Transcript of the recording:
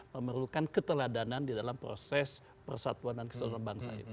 memerlukan keteladanan di dalam proses persatuan dan kesejahteraan bangsa